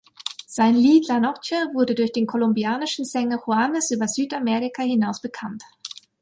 Sein Lied "La Noche" wurde durch den kolumbianischen Sänger Juanes über Südamerika hinaus bekannt.